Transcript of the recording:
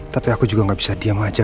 tapi aku juga gak bisa diam aja